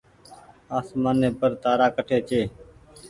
آسمآني پر تآرآ ڪٺي ڇي۔